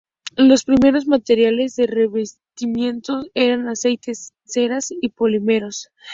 Los primeros materiales de revestimiento eran aceites, ceras y polímeros.